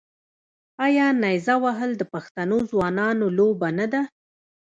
آیا نیزه وهل د پښتنو ځوانانو لوبه نه ده؟